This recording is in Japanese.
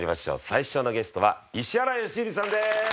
最初のゲストは石原良純さんです。